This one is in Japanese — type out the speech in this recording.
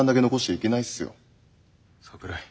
桜井。